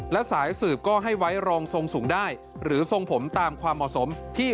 และสายสืบก็ให้รองทรงสูงได้หรือทรงผม